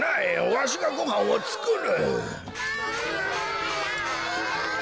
わしがごはんをつくる。